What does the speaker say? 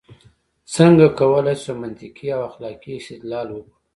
څنګه کولای شو منطقي او اخلاقي استدلال وکړو؟